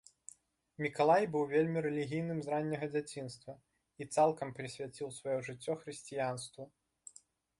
Мікалай быў вельмі рэлігійным з ранняга дзяцінства і цалкам прысвяціў сваё жыццё хрысціянству.